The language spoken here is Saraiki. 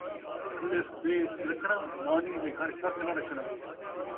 الف ، ب سلکھݨا، نانی دے گھر ککھ ناں رکھݨا